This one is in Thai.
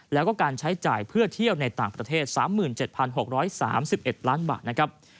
แล้วก็การใช้จ่ายเพื่อเที่ยวในต่างประเทศ๓๗๖๓๑ล้านบาทนะครับ